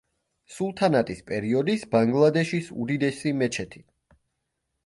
სულთანატის პერიოდის ბანგლადეშის უდიდესი მეჩეთი.